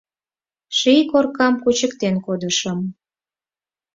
Ший коркам кучыктен кодышым